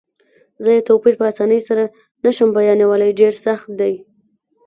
زه یې توپیر په اسانۍ سره نه شم بیانولای، ډېر سخت دی.